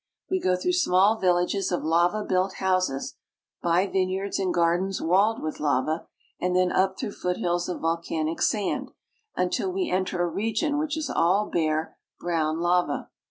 We go through small villages of lava built houses, by vine yards and gardens walled with lava, and then up through foothills of volcanic sand, until we enter a region which is all bare, brown lava.